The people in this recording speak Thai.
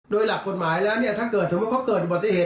โดยหลักกฎหมายแล้วเนี่ยถ้าเกิดสมมุติเขาเกิดอุบัติเหตุ